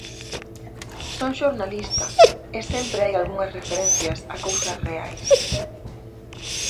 Son xornalista e sempre hai algunhas referencias a cousas reais.